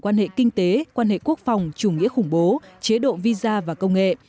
quan hệ kinh tế quan hệ quốc phòng chủ nghĩa khủng bố chế độ visa và công nghệ